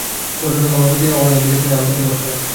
ভদ্রলোক আমার প্রতি অবহেলা দেখিয়েছেন আমি তাতে কষ্ট পাচ্ছি।